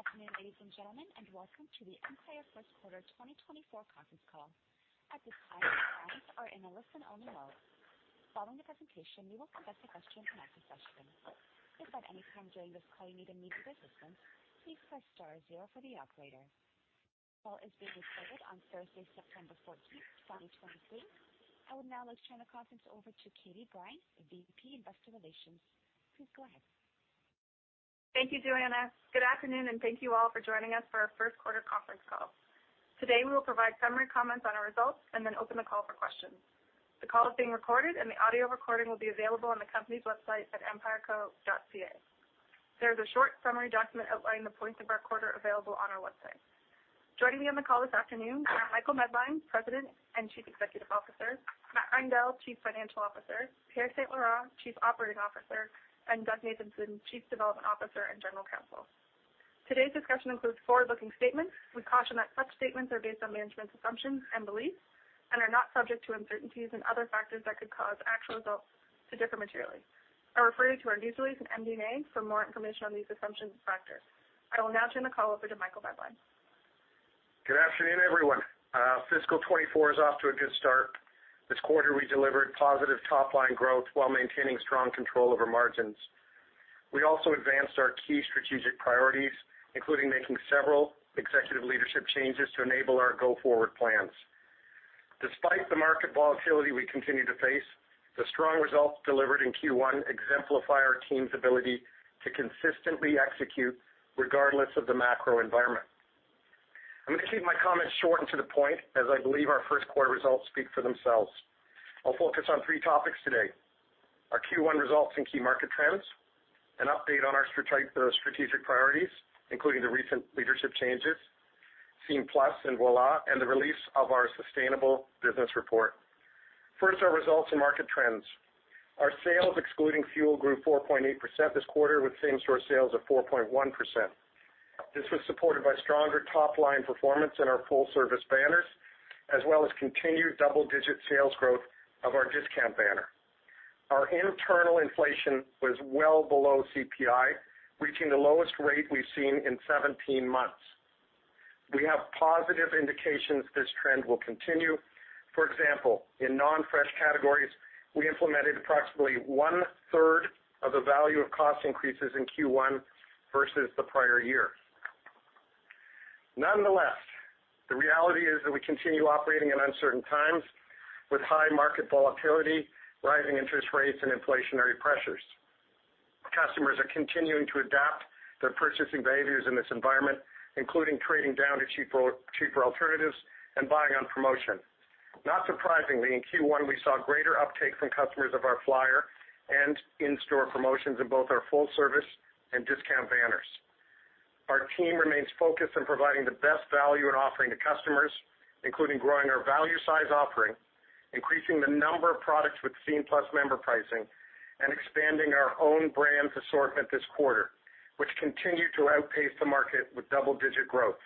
Good afternoon, ladies and gentlemen, and welcome to the Empire first quarter 2024 conference call. At this time, lines are in a listen-only mode. Following the presentation, we will conduct a question-and-answer session. If at any time during this call you need immediate assistance, please press star zero for the operator. Call is being recorded on Thursday, September 14, 2023. I would now like to turn the conference over to Katie Brine, the VP, Investor Relations. Please go ahead. Thank you, Joanna. Good afternoon, and thank you all for joining us for our first quarter conference call. Today, we will provide summary comments on our results and then open the call for questions. The call is being recorded, and the audio recording will be available on the company's website at empireco.ca. There is a short summary document outlining the points of our quarter available on our website. Joining me on the call this afternoon are Michael Medline, President and Chief Executive Officer, Matt Reindel, Chief Financial Officer, Pierre St-Laurent, Chief Operating Officer, and Doug Nathanson, Chief Development Officer and General Counsel. Today's discussion includes forward-looking statements. We caution that such statements are based on management's assumptions and beliefs and are not subject to uncertainties and other factors that could cause actual results to differ materially. I refer you to our news release in MD&A for more information on these assumptions and factors. I will now turn the call over to Michael Medline. Good afternoon, everyone. Fiscal 2024 is off to a good start. This quarter, we delivered positive top-line growth while maintaining strong control over margins. We also advanced our key strategic priorities, including making several executive leadership changes to enable our go-forward plans. Despite the market volatility we continue to face, the strong results delivered in Q1 exemplify our team's ability to consistently execute regardless of the macro environment. I'm going to keep my comments short and to the point, as I believe our first quarter results speak for themselves. I'll focus on three topics today: our Q1 results and key market trends, an update on our strategic priorities, including the recent leadership changes, Scene+, and Voilà, and the release of our sustainable business report. First, our results and market trends. Our sales, excluding fuel, grew 4.8% this quarter, with same-store sales of 4.1%. This was supported by stronger top-line performance in our full-service banners, as well as continued double-digit sales growth of our discount banner. Our internal inflation was well below CPI, reaching the lowest rate we've seen in 17 months. We have positive indications this trend will continue. For example, in non-fresh categories, we implemented approximately one-third of the value of cost increases in Q1 versus the prior year. Nonetheless, the reality is that we continue operating in uncertain times with high market volatility, rising interest rates, and inflationary pressures. Customers are continuing to adapt their purchasing behaviors in this environment, including trading down to cheaper, cheaper alternatives and buying on promotion. Not surprisingly, in Q1, we saw greater uptake from customers of our flyer and in-store promotions in both our full-service and discount banners. Our team remains focused on providing the best value and offering to customers, including growing our value size offering, increasing the number of products with Scene+ member pricing, and expanding our Own Brand assortment this quarter, which continued to outpace the market with double-digit growth.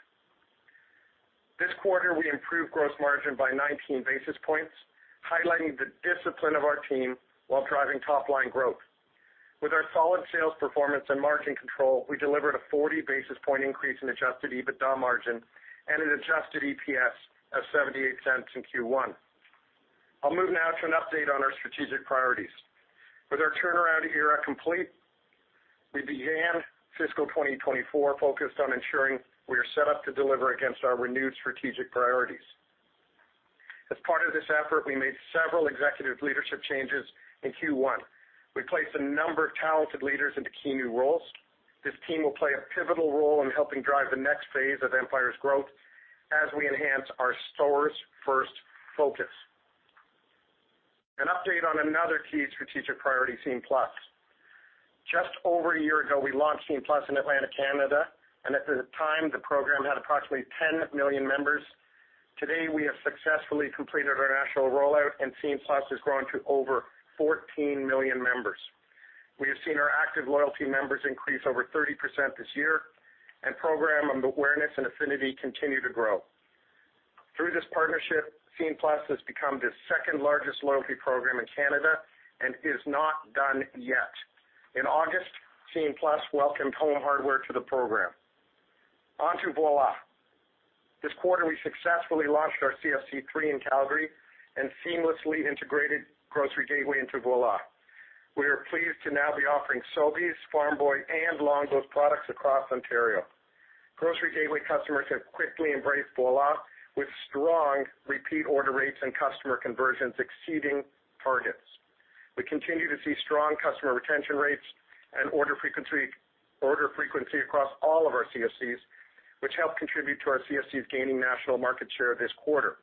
This quarter, we improved gross margin by 19 basis points, highlighting the discipline of our team while driving top-line growth. With our solid sales performance and margin control, we delivered a 40 basis point increase in Adjusted EBITDA margin and an Adjusted EPS of 0.78 in Q1. I'll move now to an update on our strategic priorities. With our turnaround era complete, we began fiscal 2024 focused on ensuring we are set up to deliver against our renewed strategic priorities. As part of this effort, we made several executive leadership changes in Q1. We placed a number of talented leaders into key new roles. This team will play a pivotal role in helping drive the next phase of Empire's growth as we enhance our stores' first focus. An update on another key strategic priority, Scene+. Just over a year ago, we launched Scene+ in Atlantic Canada, and at the time, the program had approximately 10 million members. Today, we have successfully completed our national rollout, and Scene+ has grown to over 14 million members. We have seen our active loyalty members increase over 30% this year, and program awareness and affinity continue to grow. Through this partnership, Scene+ has become the second-largest loyalty program in Canada and is not done yet. In August, Scene+ welcomed Home Hardware to the program. On to Voilà. This quarter, we successfully launched our CFC 3 in Calgary and seamlessly integrated Grocery Gateway into Voilà. We are pleased to now be offering Sobeys, Farm Boy, and Longo's products across Ontario. Grocery Gateway customers have quickly embraced Voilà, with strong repeat order rates and customer conversions exceeding targets. We continue to see strong customer retention rates and order frequency across all of our CFCs, which help contribute to our CFCs gaining national market share this quarter.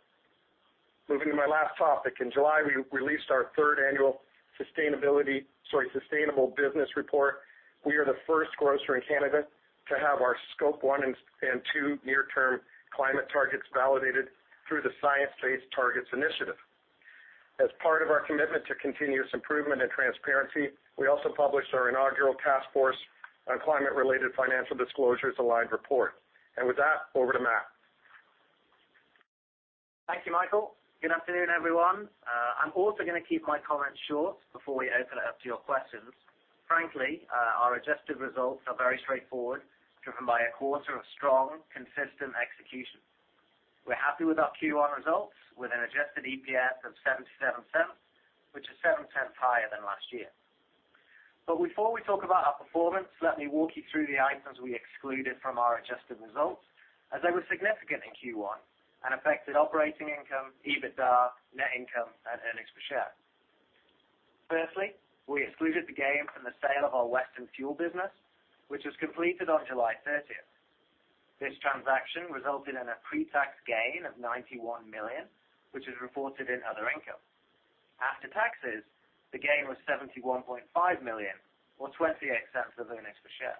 Moving to my last topic, in July, we released our third annual sustainability—sorry, sustainable business report. We are the first grocer in Canada to have our Scope 1 and 2 near-term climate targets validated through the Science Based Targets initiative. As part of our commitment to continuous improvement and transparency, we also published our inaugural Task Force on Climate-related Financial Disclosures-aligned report. With that, over to Matt. Thank you, Michael. Good afternoon, everyone. I'm also gonna keep my comments short before we open it up to your questions. Frankly, our adjusted results are very straightforward, driven by a quarter of strong, consistent execution. We're happy with our Q1 results, with an Adjusted EPS of 0.77, which is 7 cents higher than last year. But before we talk about our performance, let me walk you through the items we excluded from our adjusted results, as they were significant in Q1 and affected operating income, EBITDA, net income, and earnings per share. Firstly, we excluded the gain from the sale of our Western fuel business, which was completed on July 30. This transaction resulted in a pre-tax gain of 91 million, which is reported in other income. After taxes, the gain was 71.5 million or 0.28 of earnings per share.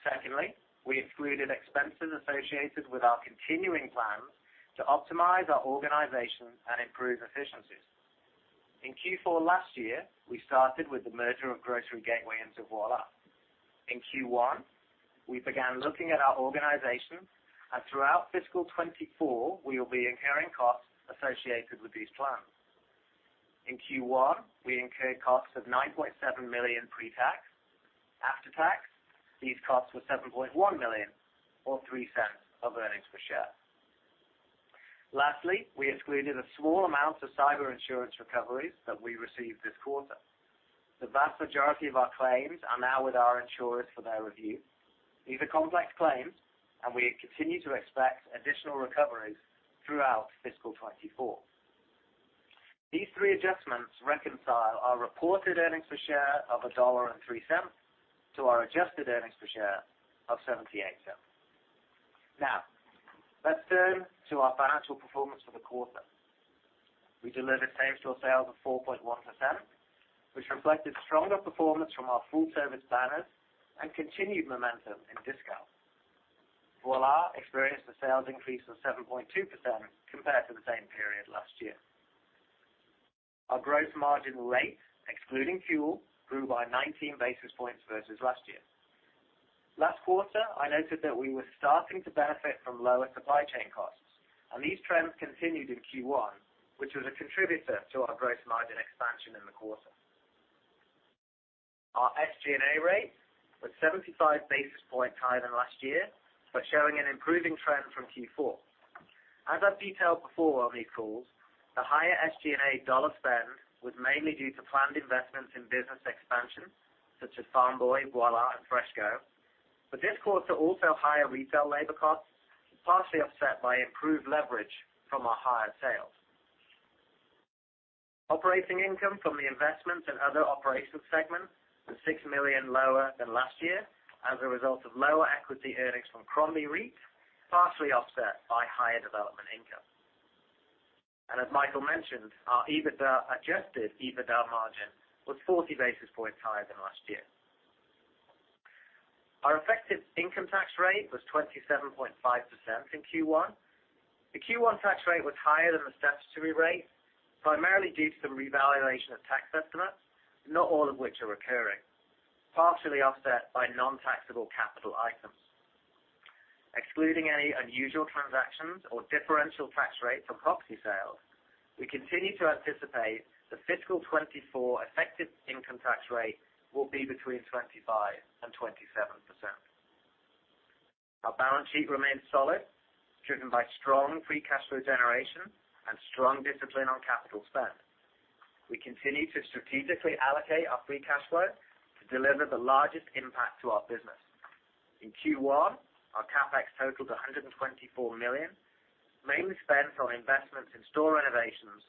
Secondly, we excluded expenses associated with our continuing plans to optimize our organization and improve efficiencies. In Q4 last year, we started with the merger of Grocery Gateway into Voilà. In Q1, we began looking at our organization, and throughout fiscal 2024, we will be incurring costs associated with these plans. In Q1, we incurred costs of 9.7 million pre-tax. After tax, these costs were 7.1 million or 0.03 of earnings per share. Lastly, we excluded a small amount of cyber insurance recoveries that we received this quarter. The vast majority of our claims are now with our insurers for their review. These are complex claims, and we continue to expect additional recoveries throughout fiscal 2024. These three adjustments reconcile our reported earnings per share of 1.03 dollar to our adjusted earnings per share of 0.78. Now, let's turn to our financial performance for the quarter. We delivered same-store sales of 4.1%, which reflected stronger performance from our full-service banners and continued momentum in discount. Voilà experienced a sales increase of 7.2% compared to the same period last year. Our gross margin rate, excluding fuel, grew by 19 basis points versus last year. Last quarter, I noted that we were starting to benefit from lower supply chain costs, and these trends continued in Q1, which was a contributor to our gross margin expansion in the quarter. Our SG&A rate was 75 basis points higher than last year, but showing an improving trend from Q4. As I've detailed before on these calls, the higher SG&A dollar spend was mainly due to planned investments in business expansion, such as Farm Boy, Voilà, and FreshCo. This quarter, also higher retail labor costs, partially offset by improved leverage from our higher sales. Operating income from the investments and other operations segments was 6 million lower than last year as a result of lower equity earnings from Crombie REIT, partially offset by higher development income. As Michael mentioned, our EBITDA, Adjusted EBITDA margin was 40 basis points higher than last year. Our effective income tax rate was 27.5% in Q1. The Q1 tax rate was higher than the statutory rate, primarily due to some revaluation of tax estimates, not all of which are recurring, partially offset by non-taxable capital items. Excluding any unusual transactions or differential tax rates from property sales, we continue to anticipate the fiscal 2024 effective income tax rate will be between 25% and 27%. Our balance sheet remains solid, driven by strong free cash flow generation and strong discipline on capital spend. We continue to strategically allocate our free cash flow to deliver the largest impact to our business. In Q1, our CapEx totaled 124 million, mainly spent on investments in store renovations,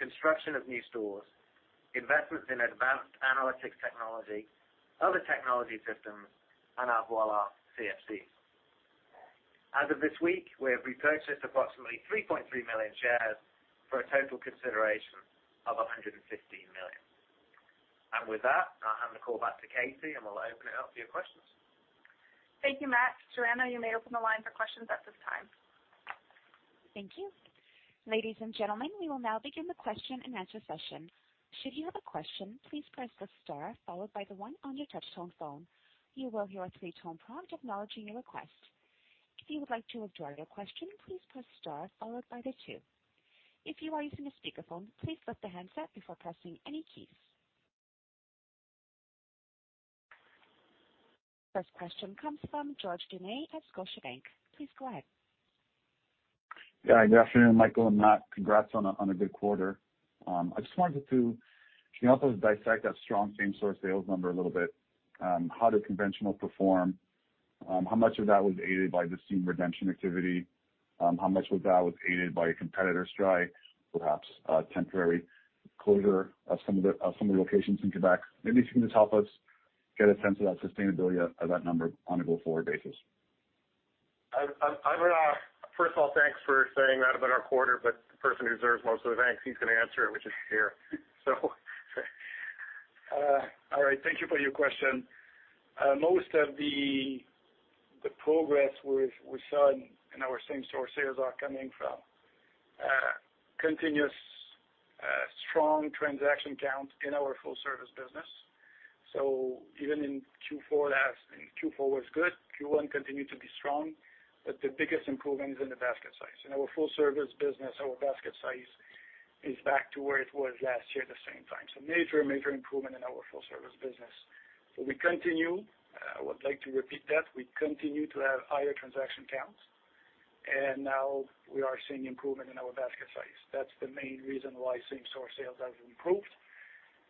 construction of new stores, investments in advanced analytics technology, other technology systems, and our Voilà CFC. As of this week, we have repurchased approximately 3.3 million shares for a total consideration of 115 million. With that, I'll hand the call back to Katie, and we'll open it up to your questions. Thank you, Matt. Joanna, you may open the line for questions at this time. Thank you. Ladies and gentlemen, we will now begin the question-and-answer session. Should you have a question, please press the star followed by the one on your touch-tone phone. You will hear a three-tone prompt acknowledging your request. If you would like to withdraw your question, please press star followed by the two. If you are using a speakerphone, please lift the handset before pressing any keys. First question comes from George Doumet at Scotiabank. Please go ahead. Yeah, good afternoon, Michael and Matt. Congrats on a good quarter. I just wanted to. Can you help us dissect that strong same-store sales number a little bit? How did conventional perform? How much of that was aided by the Scene redemption activity? How much of that was aided by a competitor strike, perhaps, temporary closure of some of the locations in Quebec? Maybe if you can just help us get a sense of that sustainability of that number on a go-forward basis. I would first of all, thanks for saying that about our quarter, but the person who deserves most of the thanks, he's gonna answer it, which is here. So all right, thank you for your question. Most of the progress we've seen in our same-store sales is coming from continuous- Strong transaction count in our full service business. So even in Q4 last, Q4 was good, Q1 continued to be strong, but the biggest improvement is in the basket size. In our full service business, our basket size is back to where it was last year, at the same time. So major, major improvement in our full service business. So we continue, I would like to repeat that, we continue to have higher transaction counts, and now we are seeing improvement in our basket size. That's the main reason why same-store sales have improved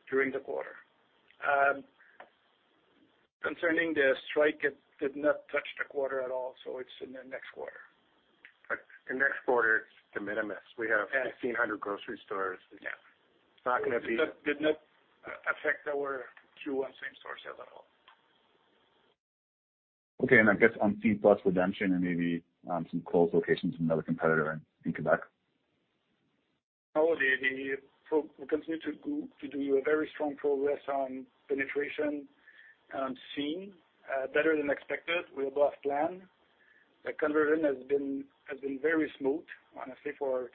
during the quarter. Concerning the strike, it did not touch the quarter at all, so it's in the next quarter. But the next quarter, it's de minimis. We have- Yes. 1,500 grocery stores. Yeah. It's not gonna be- Did not affect our Q1 same-store sales at all. Okay, and I guess on Scene+ redemption and maybe some closed locations from another competitor in Quebec. So we continue to go to do a very strong progress on penetration, Scene+ better than expected. We're above plan. The conversion has been very smooth, honestly, for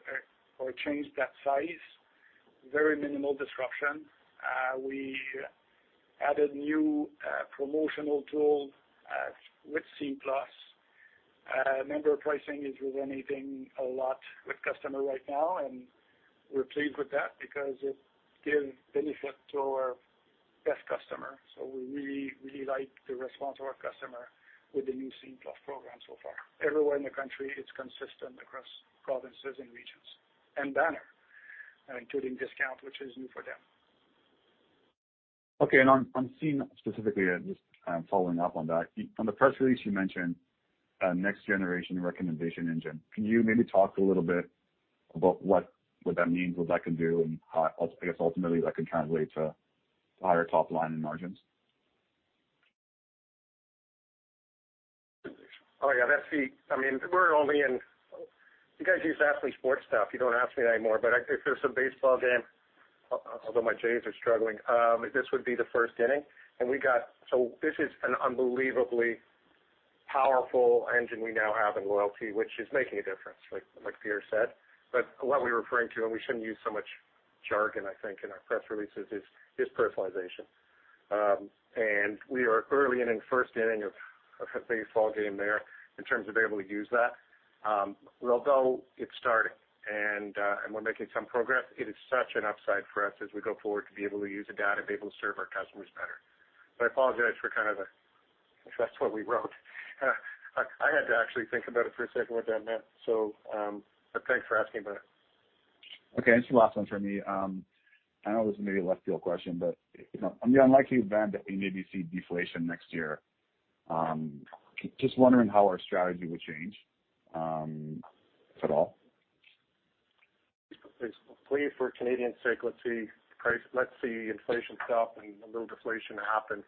a change that size, very minimal disruption. We added new promotional tool with Scene+. Member pricing is resonating a lot with customer right now, and we're pleased with that because it gives benefit to our best customer. So we really, really like the response of our customer with the new Scene+ program so far. Everywhere in the country, it's consistent across provinces and regions, and banner, including discount, which is new for them. Okay, and on Scene specifically, I'm following up on that. On the press release, you mentioned a next-generation recommendation engine. Can you maybe talk a little bit about what that means, what that can do, and how, I guess, ultimately, that can translate to higher top line and margins? Oh, yeah, that's the, I mean, we're only in-- You guys used to ask me sports stuff. You don't ask me anymore, but if there's a baseball game, although my Jays are struggling, this would be the first inning, and we got-- So this is an unbelievably powerful engine we now have in loyalty, which is making a difference, like Pierre said. But what we were referring to, and we shouldn't use so much jargon, I think, in our press releases, is personalization. And we are early in the first inning of a baseball game there in terms of being able to use that. Although it's starting and we're making some progress, it is such an upside for us as we go forward to be able to use the data and be able to serve our customers better. So I apologize for kind of the, that's what we wrote. I had to actually think about it for a second, what that meant. So, but thanks for asking about it. Okay, and just the last one for me. I know this may be a left field question, but, you know, on the unlikely event that we maybe see deflation next year, just wondering how our strategy would change, if at all? Please, for Canadian sake, let's see inflation stop and a little deflation happen.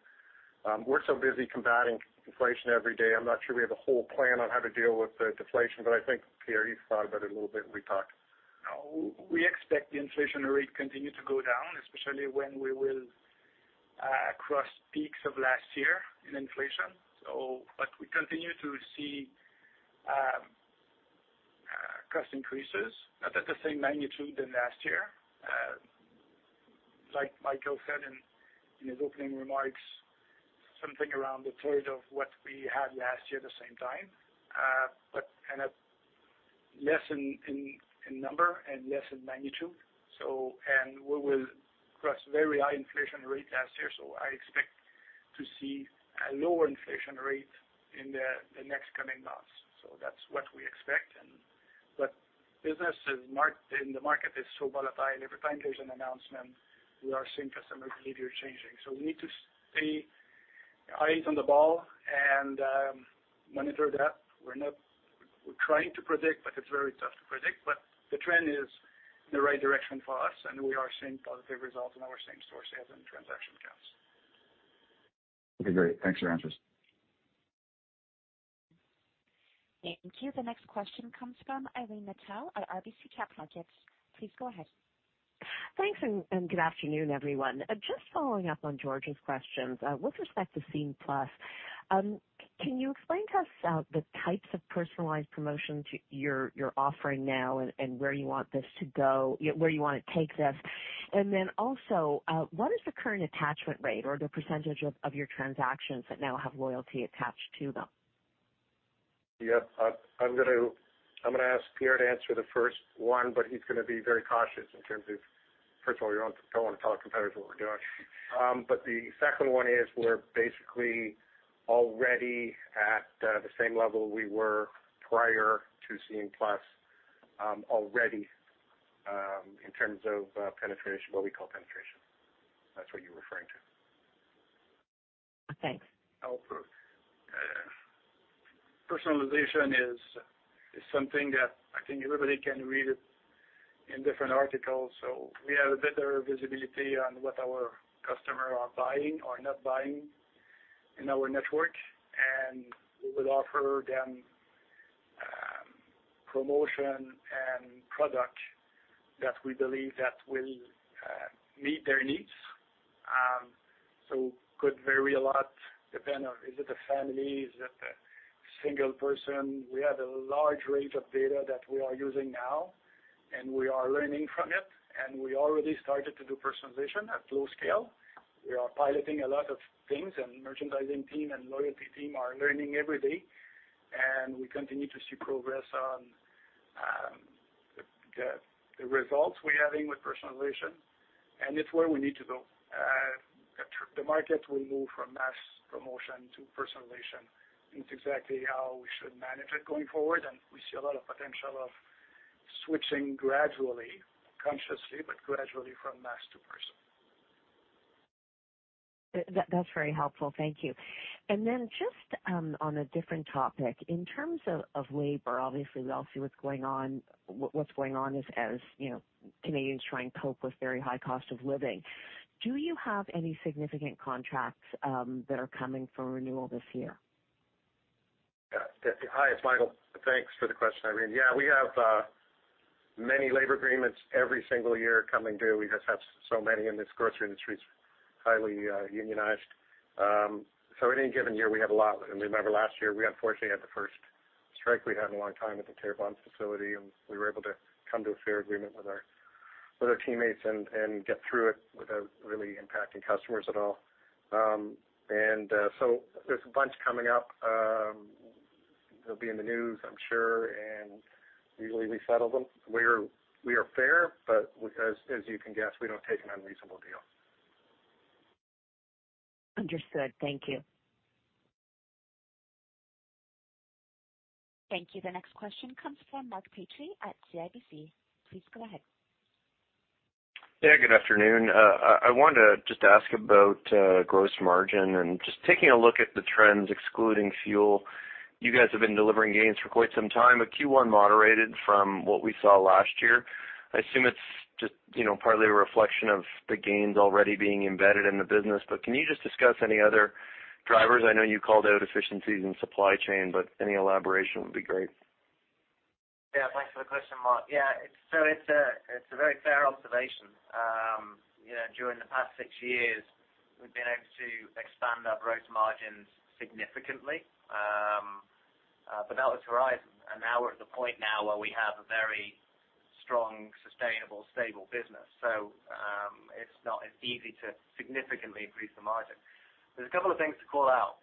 We're so busy combating inflation every day, I'm not sure we have a whole plan on how to deal with the deflation, but I think, Pierre, you've thought about it a little bit when we talked. We expect the inflation rate continue to go down, especially when we will cross peaks of last year in inflation. So but we continue to see cost increases, not at the same magnitude than last year. Like Michael said in his opening remarks, something around a third of what we had last year at the same time, but kind of less in number and less in magnitude. So, and we will cross very high inflation rate last year, so I expect to see a lower inflation rate in the next coming months. So that's what we expect and but business is in the market is so volatile, and every time there's an announcement, we are seeing customer behavior changing. So we need to stay our eyes on the ball and monitor that. We're trying to predict, but it's very tough to predict. But the trend is in the right direction for us, and we are seeing positive results in our same-store sales and transaction counts. Okay, great. Thanks for your answers. Thank you. The next question comes from Irene Nattel at RBC Capital Markets. Please go ahead. Thanks, and good afternoon, everyone. Just following up on George's questions, with respect to Scene+, can you explain to us the types of personalized promotions you're offering now and where you want this to go, where you want to take this? And then also, what is the current attachment rate or the percentage of your transactions that now have loyalty attached to them? Yeah, I'm gonna ask Pierre to answer the first one, but he's gonna be very cautious in terms of, first of all, we don't want to tell competitors what we're doing. But the second one is, we're basically already at the same level we were prior to Scene+, already, in terms of penetration, what we call penetration. If that's what you're referring to. Thanks. I'll approve. Personalization is something that I think everybody can read it in different articles. So we have a better visibility on what our customer are buying or not buying in our network, and we will offer them promotion and product that we believe that will meet their needs. So could vary a lot, depend on is it a family, is it a single person? We have a large range of data that we are using now, and we are learning from it, and we already started to do personalization at low scale. We are piloting a lot of things, and merchandising team and loyalty team are learning every day, and we continue to see progress on the results we're having with personalization, and it's where we need to go. The market will move from mass promotion to personalization. It's exactly how we should manage it going forward, and we see a lot of potential of switching gradually, consciously, but gradually from mass to personal. That, that's very helpful. Thank you. And then just on a different topic, in terms of labor, obviously, we all see what's going on, what's going on as you know, Canadians try and cope with very high cost of living. Do you have any significant contracts that are coming for renewal this year? Yeah. Hi, it's Michael. Thanks for the question, Irene. Yeah, we have many labor agreements every single year coming due. We just have so many in this grocery industry. It's highly unionized. So any given year, we have a lot. And remember, last year, we unfortunately had the first strike we had in a long time at the Terrebonne facility, and we were able to come to a fair agreement with our teammates and get through it without really impacting customers at all. And so there's a bunch coming up. They'll be in the news, I'm sure, and usually we settle them. We are fair, but as you can guess, we don't take an unreasonable deal. Understood. Thank you. Thank you. The next question comes from Mark Petrie at CIBC. Please go ahead. Yeah, good afternoon. I wanted to just ask about gross margin and just taking a look at the trends, excluding fuel. You guys have been delivering gains for quite some time, but Q1 moderated from what we saw last year. I assume it's just, you know, partly a reflection of the gains already being embedded in the business. But can you just discuss any other drivers? I know you called out efficiencies in supply chain, but any elaboration would be great. Yeah, thanks for the question, Mark. Yeah, it's a very fair observation. You know, during the past six years, we've been able to expand our gross margins significantly, but that was hindsight, and now we're at the point now where we have a very strong, sustainable, stable business. So, it's not as easy to significantly increase the margin. There's a couple of things to call out.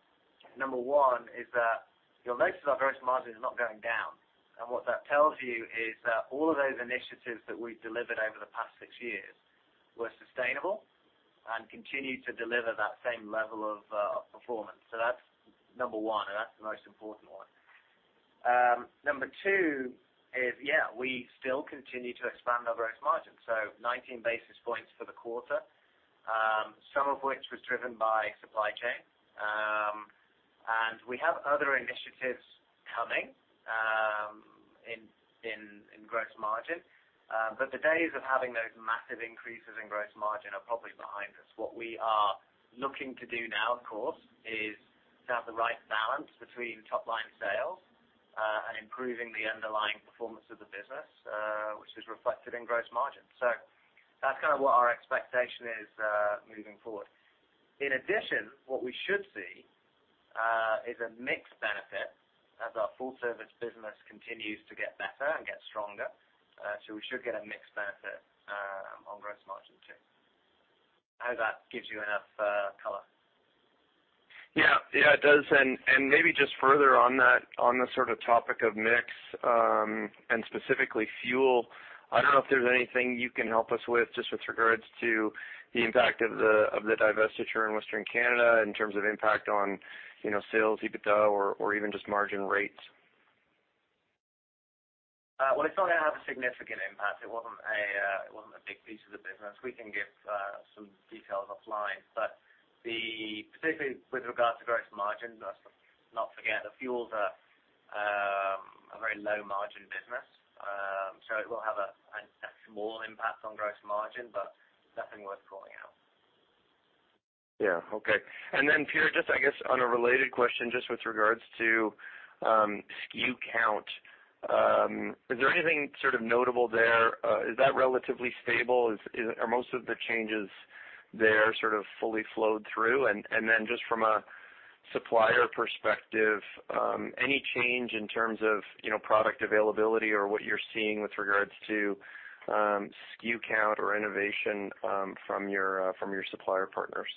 Number one is that you'll notice that our gross margin is not going down, and what that tells you is that all of those initiatives that we've delivered over the past six years were sustainable and continue to deliver that same level of performance. So that's number one, and that's the most important one. Number two is, yeah, we still continue to expand our gross margin, so 19 basis points for the quarter, some of which was driven by supply chain. We have other initiatives coming in gross margin, but the days of having those massive increases in gross margin are probably behind us. What we are looking to do now, of course, is to have the right balance between top-line sales and improving the underlying performance of the business, which is reflected in gross margin. So that's kind of what our expectation is moving forward. In addition, what we should see is a mix benefit as our full-service business continues to get better and get stronger. So we should get a mix benefit on gross margin, too. I hope that gives you enough color. Yeah. Yeah, it does. And maybe just further on that, on the sort of topic of mix, and specifically fuel, I don't know if there's anything you can help us with, just with regards to the impact of the divestiture in Western Canada in terms of impact on, you know, sales, EBITDA, or even just margin rates. Well, it's not gonna have a significant impact. It wasn't a big piece of the business. We can give some details offline, but, particularly with regards to gross margin, let's not forget that fuel is a very low-margin business, so it will have a small impact on gross margin, but definitely worth calling out. Yeah. Okay. And then, Pierre, just I guess on a related question, just with regards to, SKU count, is there anything sort of notable there? Is that relatively stable? Are most of the changes there sort of fully flowed through? And then just from a supplier perspective, any change in terms of, you know, product availability or what you're seeing with regards to, SKU count or innovation, from your supplier partners?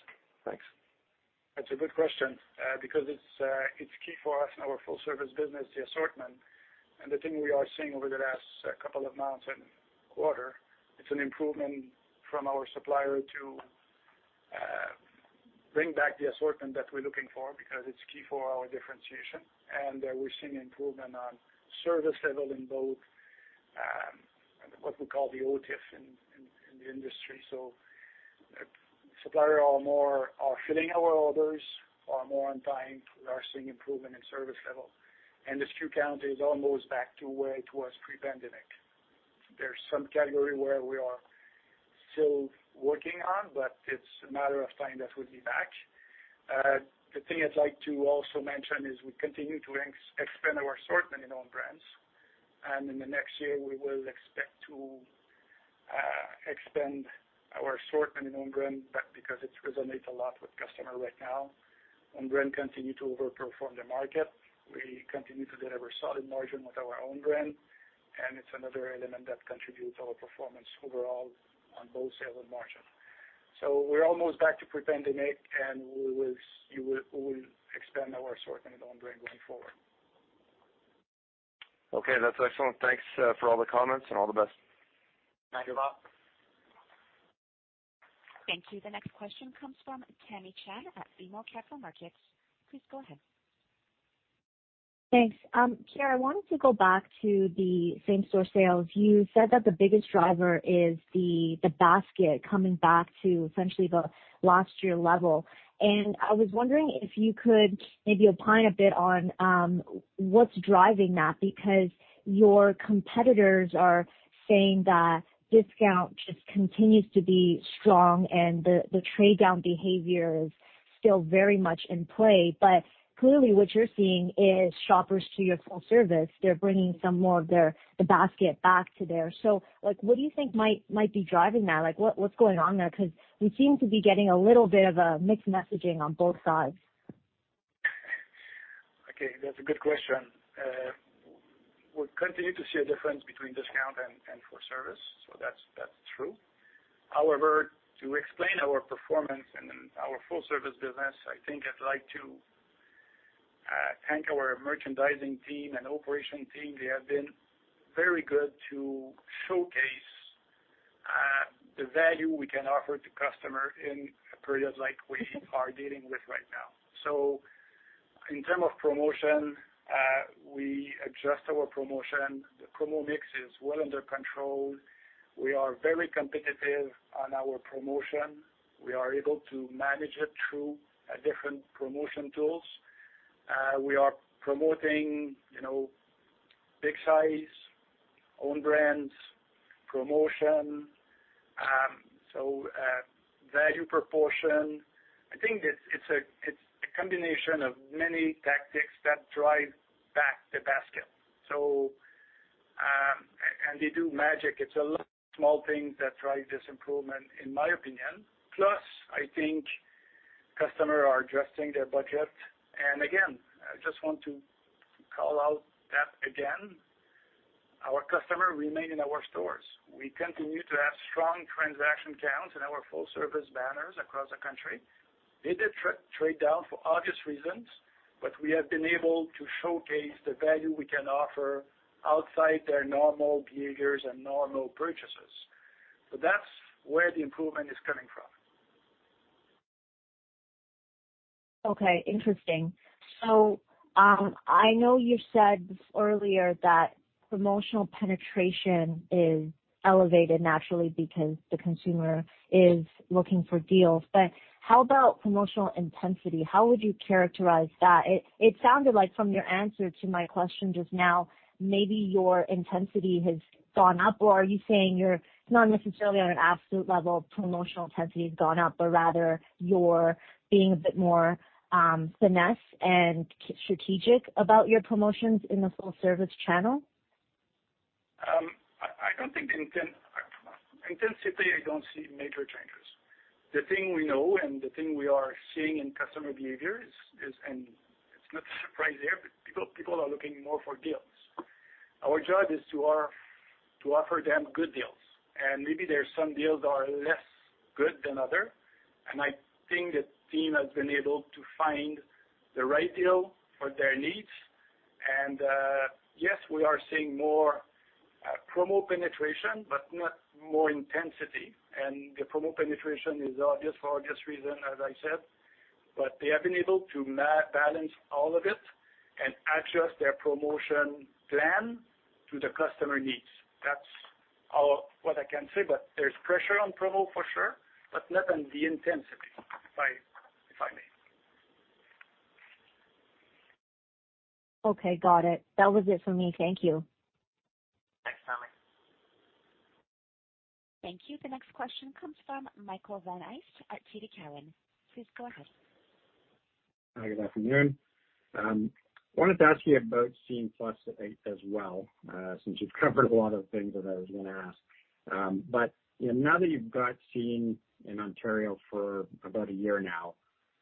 Thanks. That's a good question, because it's key for us in our full-service business, the assortment. And the thing we are seeing over the last couple of months and quarter, it's an improvement from our supplier to bring back the assortment that we're looking for because it's key for our differentiation, and we're seeing improvement on service level in both, what we call the OTIF in the industry. So suppliers are more are filling our orders, are more on time. We are seeing improvement in service level, and the SKU count is almost back to where it was pre-pandemic. There's some category where we are still working on, but it's a matter of time that we'll be back. The thing I'd like to also mention is we continue to expand our assortment in Own Brands, and in the next year, we will expect to expand our assortment in Own Brand because it resonates a lot with customer right now. Own Brand continue to overperform the market. We continue to deliver solid margin with our Own Brand, and it's another element that contributes our performance overall on both sales and margin. So we're almost back to pre-pandemic, and we will expand our assortment in Own Brand going forward. Okay, that's excellent. Thanks for all the comments and all the best. Thank you, Mark. Thank you. The next question comes from Tamy Chen at BMO Capital Markets. Please go ahead. Thanks. I wanted to go back to the same-store sales. You said that the biggest driver is the, the basket coming back to essentially the last year level. And I was wondering if you could maybe opine a bit on what's driving that, because your competitors are saying that discount just continues to be strong, and the, the trade-down behavior is still very much in play. But clearly, what you're seeing is shoppers to your full service, they're bringing some more of their, the basket back to there. So like, what do you think might, might be driving that? Like, what, what's going on there? 'Cause we seem to be getting a little bit of a mixed messaging on both sides. Okay, that's a good question. We continue to see a difference between discount and full service, so that's true. However, to explain our performance in our full-service business, I think I'd like to thank our merchandising team and operation team. They have been very good to showcase the value we can offer to customer in a period like we are dealing with right now. So in terms of promotion, we adjust our promotion. The promo mix is well under control. We are very competitive on our promotion. We are able to manage it through different promotion tools. We are promoting, you know, big size, own brands, promotion, so value proportion. I think it's a combination of many tactics that drive back the basket. So, they do magic. It's a lot of small things that drive this improvement, in my opinion. Plus, I think customers are adjusting their budget, and again, I just want to call out that again, our customers remain in our stores. We continue to have strong transaction counts in our full-service banners across the country. They did trade down for obvious reasons, but we have been able to showcase the value we can offer outside their normal behaviors and normal purchases. So that's where the improvement is coming from. Okay, interesting. So, I know you said earlier that promotional penetration is elevated naturally because the consumer is looking for deals, but how about promotional intensity? How would you characterize that? It sounded like from your answer to my question just now, maybe your intensity has gone up, or are you saying you're not necessarily on an absolute level of promotional intensity has gone up, but rather you're being a bit more finesse and strategic about your promotions in the full-service channel? I don't think intensity, I don't see major changes. The thing we know and the thing we are seeing in customer behavior is, and it's not surprising here, but people are looking more for deals. Our job is to offer them good deals, and maybe there are some deals that are less good than other, and I think the team has been able to find the right deal for their needs. And, yes, we are seeing more promo penetration, but not more intensity. And the promo penetration is obvious for obvious reason, as I said, but they have been able to balance all of it and adjust their promotion plan to the customer needs. That's all what I can say, but there's pressure on promo for sure, but not on the intensity, if I may. Okay, got it. That was it for me. Thank you. Thanks, Tamy. Thank you. The next question comes from Michael Van Aelst at TD Cowen. Please go ahead. Hi, good afternoon. Wanted to ask you about Scene+ as well, since you've covered a lot of things that I was gonna ask. You know, now that you've got Scene in Ontario for about a year now,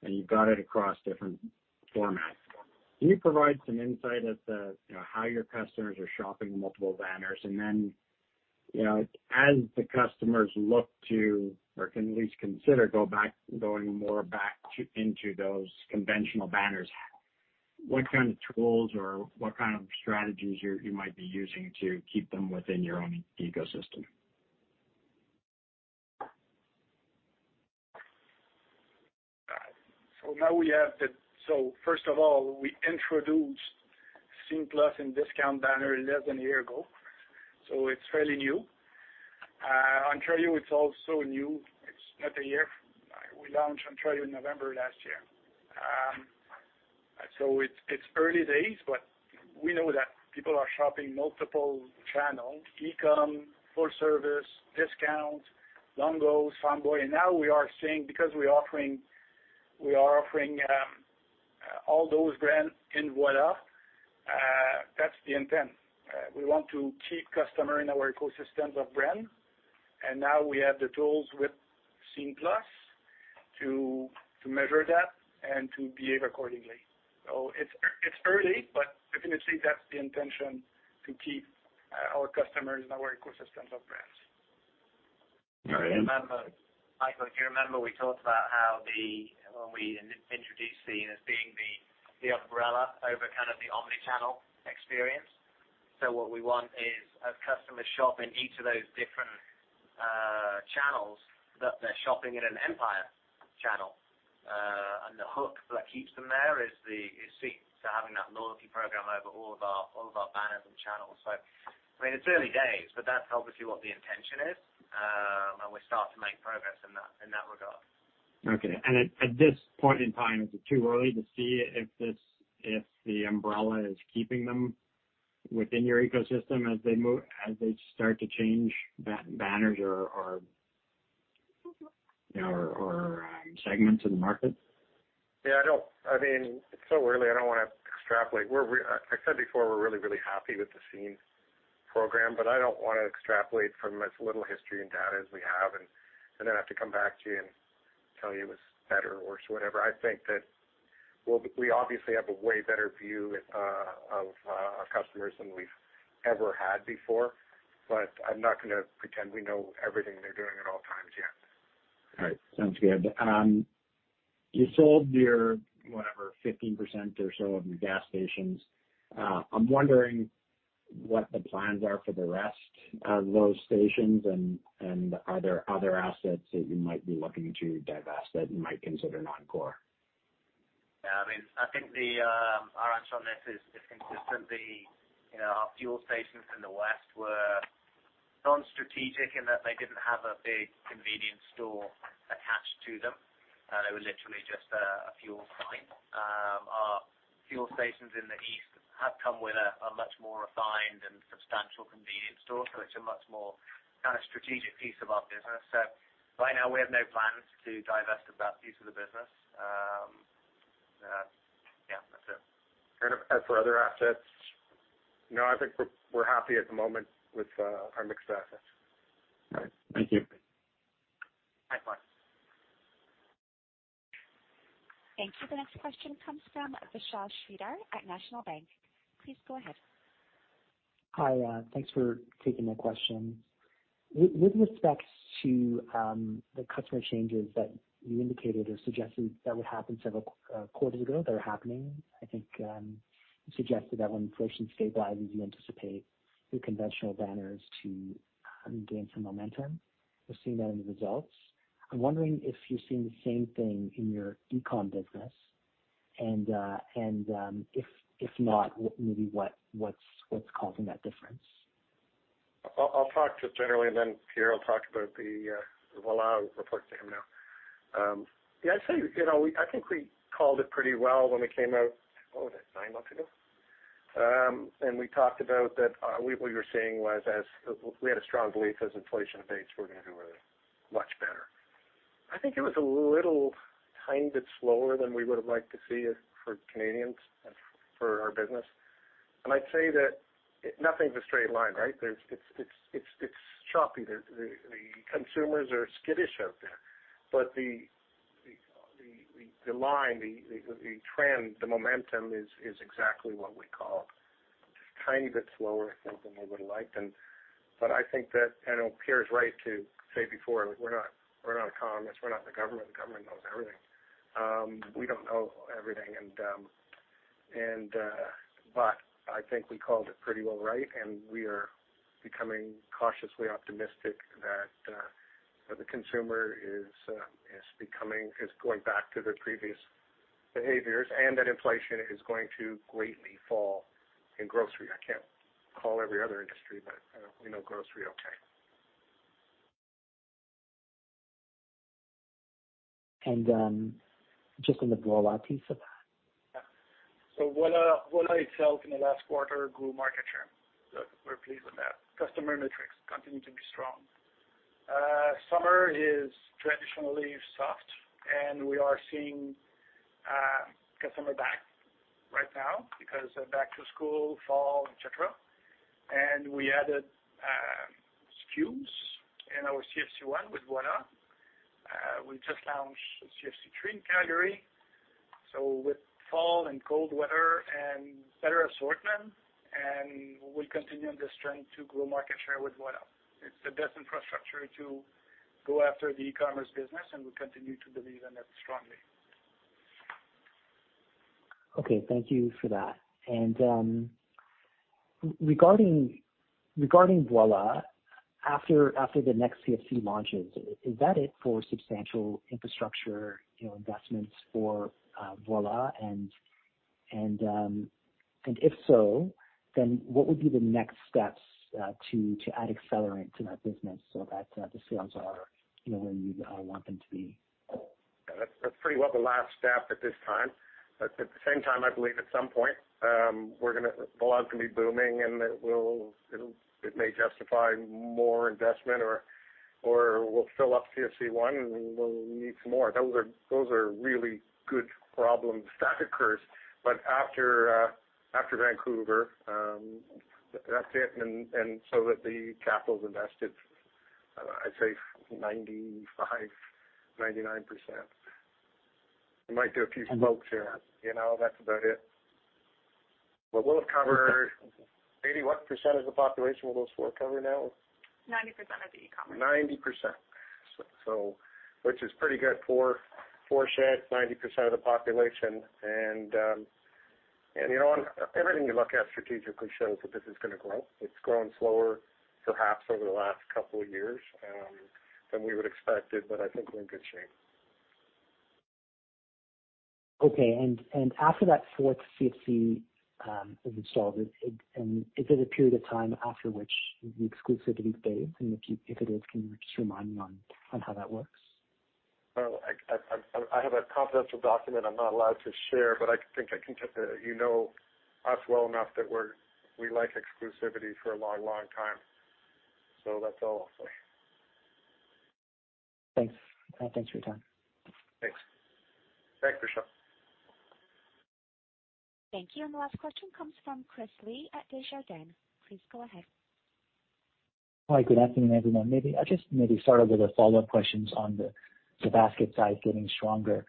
and you've got it across different formats, can you provide some insight as to, you know, how your customers are shopping multiple banners? And then, you know, as the customers look to or can at least consider going more back to, into those conventional banners, what kind of tools or what kind of strategies you might be using to keep them within your own ecosystem? So now we have the, so first of all, we introduced Scene+ in discount banner less than a year ago, so it's fairly new. Ontario, it's also new. It's not a year. We launched Ontario in November last year. So it's, it's early days, but we know that people are shopping multiple channels, e-com, full service, discount, Longo's, Farm Boy, and now we are seeing, because we're offering, we are offering, all those brands in Voilà, that's the intent. We want to keep customer in our ecosystem of brands, and now we have the tools with Scene+ to, to measure that and to behave accordingly. So it's early, but definitely that's the intention, to keep, our customers in our ecosystem of brands. Michael, do you remember we talked about how, when we introduced Scene as being the umbrella over kind of the omni-channel experience? So what we want is a customer shop in each of those different channels, that they're shopping in an Empire channel. And the hook that keeps them there is Scene. So having that loyalty program over all of our banners and channels. So, I mean, it's early days, but that's obviously what the intention is, and we're starting to make progress in that regard. Okay. And at this point in time, is it too early to see if the umbrella is keeping them within your ecosystem as they move, as they start to change banners or, you know, segments in the market? Yeah, I mean, it's so early, I don't wanna extrapolate. I said before, we're really, really happy with the Scene program, but I don't wanna extrapolate from as little history and data as we have, and then I have to come back to you and tell you it's better or worse, whatever. I think that, well, we obviously have a way better view of our customers than we've ever had before, but I'm not gonna pretend we know everything they're doing at all times yet. All right. Sounds good. You sold your, whatever, 15% or so of your gas stations. I'm wondering what the plans are for the rest of those stations and are there other assets that you might be looking to divest, that you might consider non-core? Yeah, I mean, I think the our answer on this is consistently, you know, our fuel stations in the west were non-strategic in that they didn't have a big convenience store attached to them. They were literally just a fuel site. Our fuel stations in the east have come with a much more refined and substantial convenience store, so it's a much more kind of strategic piece of our business. So right now, we have no plans to divest of that piece of the business. Yeah, that's it. As for other assets, no, I think we're happy at the moment with our mixed assets. All right. Thank you. Bye, bye. Thank you. The next question comes from Vishal Shreedhar at National Bank. Please go ahead. Hi, thanks for taking my question. With respect to the customer changes that you indicated or suggested that would happen several quarters ago, that are happening, I think, you suggested that when inflation stabilizes, you anticipate the conventional banners to gain some momentum. We're seeing that in the results. I'm wondering if you're seeing the same thing in your e-com business, and if not, maybe what's causing that difference? I'll talk just generally, and then Pierre will talk about the Voilà report to him now. Yeah, I'd say, you know, I think we called it pretty well when we came out, what was that, nine months ago? And we talked about that, what we were seeing was as we had a strong belief as inflation abates, we're gonna do really much better. I think it was a little tiny bit slower than we would have liked to see it for Canadians and for our business. And I'd say that nothing's a straight line, right? There's, it's choppy. The line, the trend, the momentum is exactly what we called. Just a tiny bit slower, I think, than we would have liked, but I think that I know Pierre's right to say before. We're not economists. We're not the government. The government knows everything. We don't know everything, but I think we called it pretty well right, and we are becoming cautiously optimistic that the consumer is going back to their previous behaviors, and that inflation is going to greatly fall in grocery. I can't call every other industry, but we know grocery okay. Just on the Voilà piece of that? So Voilà, Voilà itself in the last quarter grew market share. So we're pleased with that. Customer metrics continue to be strong. Summer is traditionally soft, and we are seeing customer back right now because back to school, fall, et cetera. And we added SKUs in our CFC 1 with Voilà. We just launched CFC 3 in Calgary, so with fall and cold weather and better assortment, and we'll continue on this trend to grow market share with Voilà. It's the best infrastructure to go after the e-commerce business, and we continue to believe in it strongly. Okay, thank you for that. And, regarding Voilà, after the next CFC launches, is that it for substantial infrastructure, you know, investments for Voilà? And if so, then what would be the next steps to add accelerant to that business so that the sales are, you know, where you want them to be? That's, that's pretty well the last step at this time. But at the same time, I believe at some point, we're gonna—Voilà's can be booming, and it will, it'll, it may justify more investment or, or we'll fill up CFC one, and we'll need some more. Those are, those are really good problems that occurs. But after, after Vancouver, that's it, and, and so that the capital is invested, I'd say 95%-99%. We might do a few smokes here, you know, that's about it. But we'll have covered 80-what percent of the population will those four cover now? 90% of the e-commerce. 90%. So, which is pretty good for, four sheds, 90% of the population. And, you know what? Everything you look at strategically shows that this is gonna grow. It's grown slower, perhaps over the last couple of years, than we would expect it, but I think we're in good shape. Okay. And after that fourth CFC is installed, and is it a period of time after which the exclusivity stays? And if it is, can you just remind me on how that works? Well, I have a confidential document I'm not allowed to share, but I think I can tell you, you know us well enough that we're, we like exclusivity for a long, long time. So that's all I'll say. Thanks. Thanks for your time. Thanks. Thanks, Michelle. Thank you. The last question comes from Chris Li at Desjardins. Please go ahead. Hi, good afternoon, everyone. Maybe I just start off with a follow-up questions on the basket size getting stronger.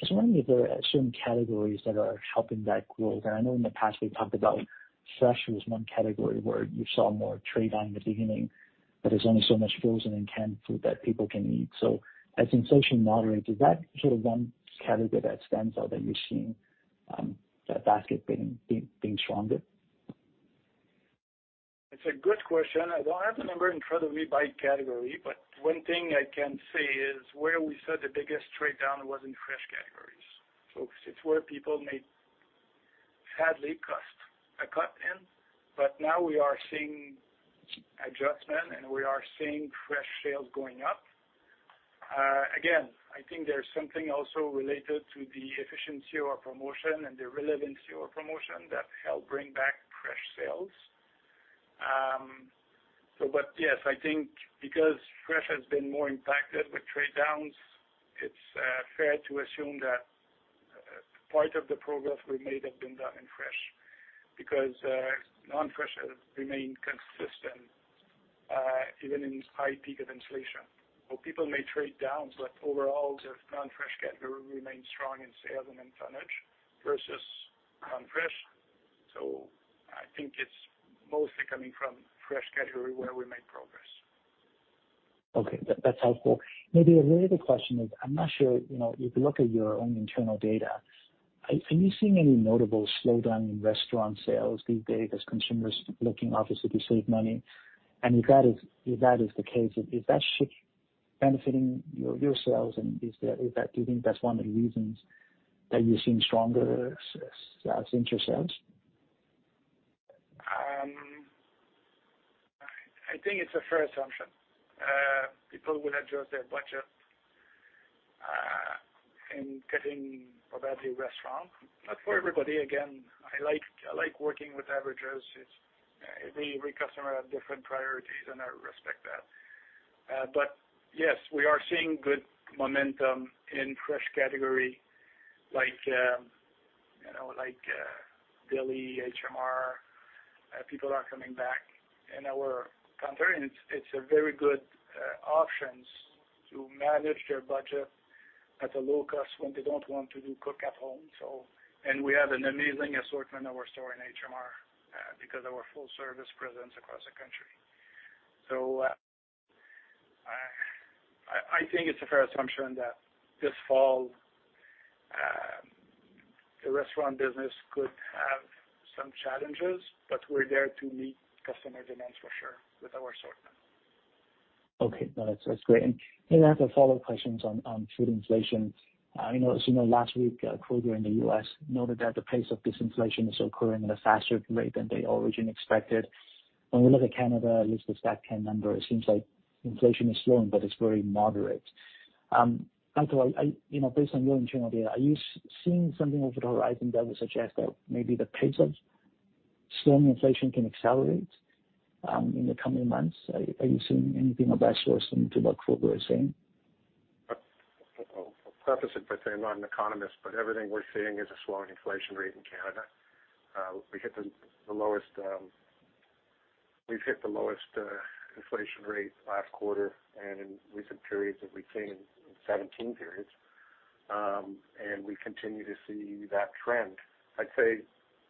Just wondering if there are certain categories that are helping that growth? I know in the past, we talked about fresh was one category where you saw more trade on in the beginning, but there's only so much frozen and canned food that people can eat. So as inflation moderate, is that sort of one category that stands out, that you're seeing that basket being stronger? It's a good question. I don't have the number incredibly by category, but one thing I can say is where we saw the biggest trade down was in fresh categories. So it's where people made, sadly, a cut in, but now we are seeing adjustment, and we are seeing fresh sales going up. Again, I think there's something also related to the efficiency or promotion and the relevancy or promotion that helped bring back fresh sales. So, but yes, I think because fresh has been more impacted with trade downs, it's fair to assume that part of the progress we made have been done in fresh, because non-fresh has remained consistent, even in this high peak of inflation. So people may trade down, but overall, the non-fresh category remains strong in sales and in tonnage versus non-fresh. I think it's mostly coming from fresh category where we made progress. Okay, that's helpful. Maybe a related question is, I'm not sure, you know, if you look at your own internal data, are you seeing any notable slowdown in restaurant sales these days as consumers looking obviously to save money? And if that is the case, is that shift benefiting your sales, and is that, do you think that's one of the reasons that you're seeing stronger same-store sales? I think it's a fair assumption. People will adjust their budget in getting about a restaurant. Not for everybody again, I like, I like working with averages. It's, every customer have different priorities, and I respect that. But yes, we are seeing good momentum in fresh category, like, you know, like, daily HMR, people are coming back in our counter, and it's, it's a very good, options to manage their budget at a low cost when they don't want to do cook at home, so. And we have an amazing assortment in our store in HMR, because of our full service presence across the country. So, I, I think it's a fair assumption that this fall, the restaurant business could have some challenges, but we're there to meet customer demands for sure with our assortment. Okay, no, that's, that's great. And then I have a follow-up questions on food inflation. You know, as you know, last week, Kroger in the U.S. noted that the pace of disinflation is occurring at a faster rate than they originally expected. When we look at Canada, at least the StatCan number, it seems like inflation is slowing, but it's very moderate. So, you know, based on your internal data, are you seeing something over the horizon that would suggest that maybe the pace of slowing inflation can accelerate in the coming months? Are you seeing anything of that sort other than to what Kroger is saying? I'll preface it by saying I'm not an economist, but everything we're seeing is a slowing inflation rate in Canada. We hit the lowest inflation rate last quarter and in recent periods that we've seen in 17 periods, and we continue to see that trend. I'd say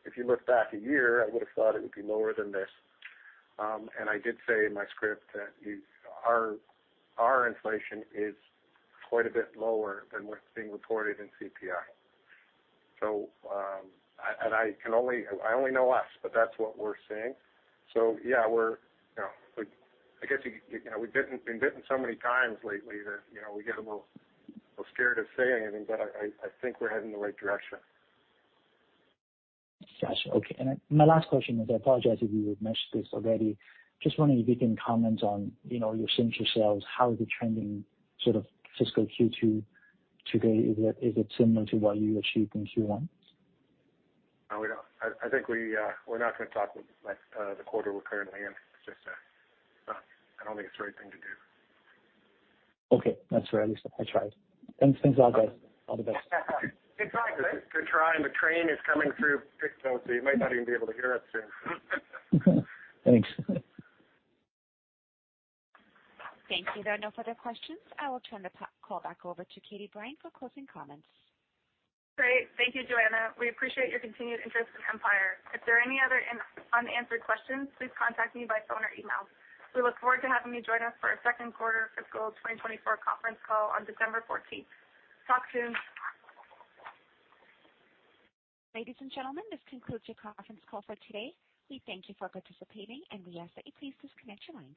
if you look back a year, I would have thought it would be lower than this. And I did say in my script that our inflation is quite a bit lower than what's being reported in CPI. So, and I can only—I only know us, but that's what we're seeing. So yeah, we're, you know, I guess, you know, we've been bitten so many times lately that, you know, we get a little scared of saying anything, but I think we're heading in the right direction. Got you. Okay, and my last question is, I apologize if you have mentioned this already. Just wondering if you can comment on, you know, your same-store sales, how is it trending sort of fiscal Q2 to date? Is it, is it similar to what you achieved in Q1? We don't. I think we're not going to talk with like the quarter we're currently in. It's just I don't think it's the right thing to do. Okay. That's fair. At least I tried. Thanks. Thanks, a lot, guys. All the best. Good try. Good try, and the train is coming through, so you might not even be able to hear us soon. Thanks. Thank you. There are no further questions. I will turn the call back over to Katie Brine for closing comments. Great. Thank you, Joanna. We appreciate your continued interest in Empire. If there are any other unanswered questions, please contact me by phone or email. We look forward to having you join us for our second quarter fiscal 2024 conference call on December fourteenth. Talk soon. Ladies and gentlemen, this concludes your conference call for today. We thank you for participating, and we ask that you please disconnect your lines.